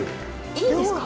いいんですか？